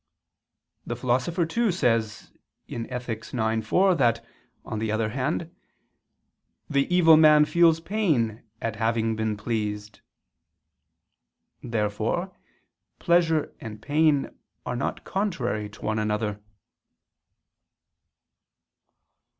The Philosopher too says (Ethic. ix, 4) that, on the other hand, "the evil man feels pain at having been pleased." Therefore pleasure and pain are not contrary to one another.